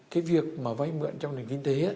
cái việc vay mượn trong nền kinh tế